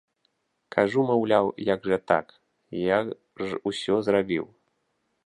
Кажу, маўляў, як жа так, я ж усё зрабіў!